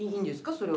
それは。